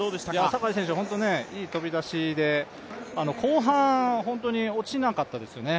本当にいい飛び出しで後半、本当に落ちなかったですよね。